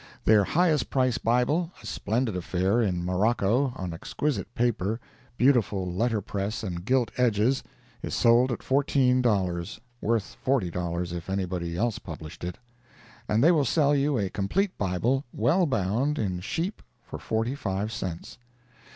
Their highest price Bible, a splendid affair, in morocco, on exquisite paper, beautiful letter press and gilt edges, is sold at $14—worth $40 if anybody else published it. And they will sell you a complete Bible, well bound in sheep, for forty five cents.